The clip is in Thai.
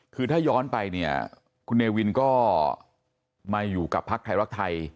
คือถ้าย้อนไปเนี่ยคุณเนวินก็มาอยู่กับพักไทยรักไทย